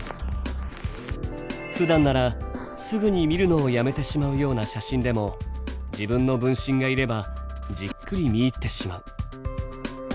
ふだんならすぐに見るのをやめてしまうような写真でも自分の分身がいればじっくり見入ってしまう。